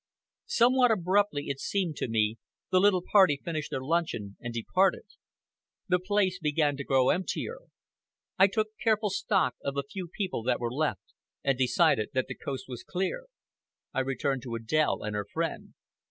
Somewhat abruptly, it seemed to me, the little party finished their luncheon and departed. The place began to grow emptier, I took careful stock of the few people that were left, and decided that the coast was clear. I returned to Adèle and her friend.